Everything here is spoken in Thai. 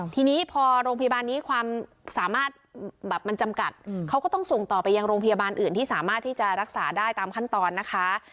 ทีนี้พอโรงพยาบาลนี้ความสามารถแบบมันจำกัดเขาก็ต้องส่งต่อไปยังโรงพยาบาลอื่นที่สามารถที่จะรักษาได้ตามขั้นตอนนะคะ